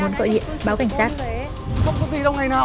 đó là điều sẽ xảy ra